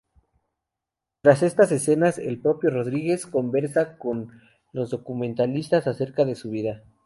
Tras estas escenas, el propio Rodríguez conversa con los documentalistas acerca de su vida.